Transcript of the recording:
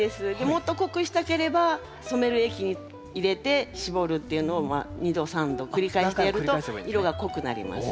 もっと濃くしたければ染める液入れてしぼるっていうのを２度３度繰り返してやると色が濃くなります。